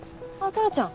トラちゃん。